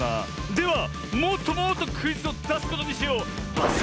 ではもっともっとクイズをだすことにしよう！